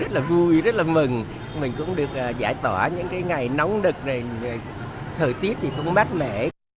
rất là vui rất là mừng mình cũng được giải tỏa những ngày nóng đực thời tiết cũng mát mẻ